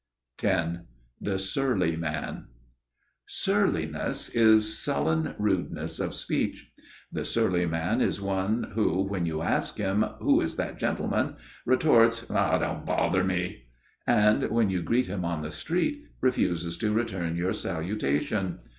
X The Surly Man (Αὐθάδεια) Surliness is sullen rudeness of speech. The surly man is one who, when you ask him, "Who is that gentleman?" retorts "Don't bother me!" and when you greet him on the street refuses to return your salutation.